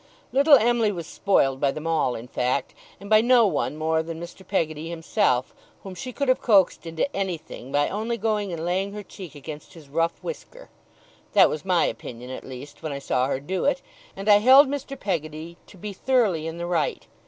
Little Em'ly was spoiled by them all, in fact; and by no one more than Mr. Peggotty himself, whom she could have coaxed into anything, by only going and laying her cheek against his rough whisker. That was my opinion, at least, when I saw her do it; and I held Mr. Peggotty to be thoroughly in the right.